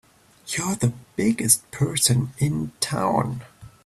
You're the biggest person in town!